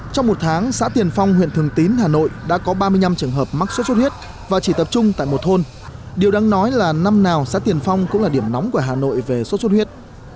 trong một tháng xã tiền phong huyện thường tín hà nội đã có ba mươi năm trường hợp mắc sốt xuất huyết và chỉ tập trung tại một thôn điều đáng nói là năm nào xã tiền phong cũng là điểm nóng của hà nội về sốt xuất huyết